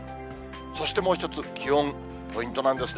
そしてもう一つ、気温、ポイントなんですね。